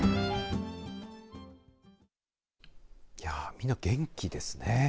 みんな元気ですね。